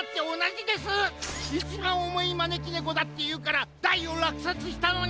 いちばんおもいまねきねこだっていうから大をらくさつしたのに！